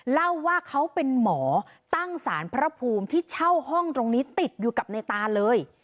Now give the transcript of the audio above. เล่าว่าเขาเป็นหมอตั้งสารพระภูมิที่เช่าห้องตรงนี้ติดอยู่กับในตาเลย